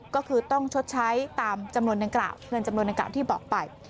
ก็คือต้องชดใช้ตามเงินจำนวนดังกล่าวที่บอกไป